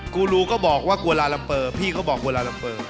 กูรูก็บอกว่ากลัวลาลัมเปอร์พี่เขาบอกเวลาลัมเปอร์